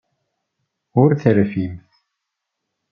Ur terfimt.